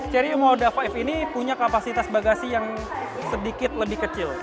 cherry moda lima ini punya kapasitas bagasi yang sedikit lebih kecil